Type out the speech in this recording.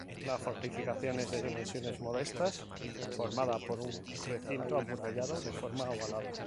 La fortificación es de dimensiones modestas, formada por un recinto amurallado de forma ovalada.